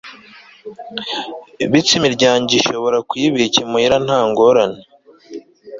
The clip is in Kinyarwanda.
bityo imiryango ishobora kuyibika imuhira nta ngorane